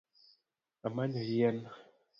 Amanyo yien